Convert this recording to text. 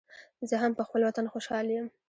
زه هم پخپل وطن خوشحال یم